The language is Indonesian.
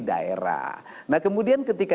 daerah nah kemudian ketika